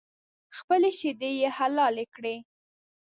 خپلې شیدې یې حلالې کړې.